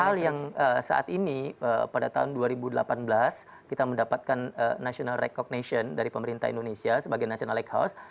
hal yang saat ini pada tahun dua ribu delapan belas kita mendapatkan national recognition dari pemerintah indonesia sebagai national lighthouse